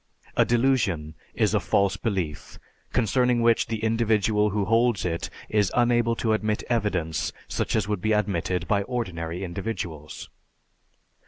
A delusion is a false belief, concerning which the individual who holds it is unable to admit evidence such as would be admitted by ordinary individuals.